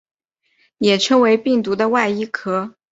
也称为病毒的外衣壳。